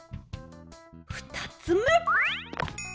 ふたつめ！